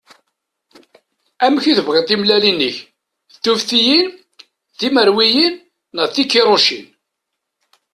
Amek i tebɣiḍ timellalin-ik? D tuftiyin, d timerwiyin neɣ d tikiṛucin?